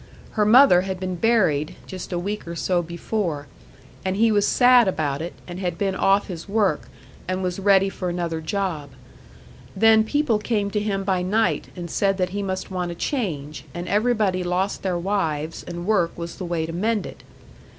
Her mother had been buried, just a week or so before; and he was sad about it, and had been off his work, and was ready for another job. Then people came to him by night, and said that he must want a change, and everybody lost their wives, and work was the way to mend it.